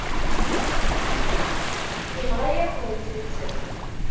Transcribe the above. Yenɣa-yakent-tt.